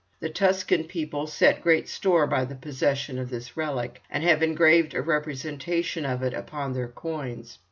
The Tuscan people set great store by the possession of this relic, and have engraved a representation of it upon their coins.